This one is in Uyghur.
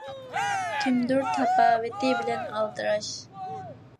كىمدۇر «تاپاۋىتى» بىلەن ئالدىراش.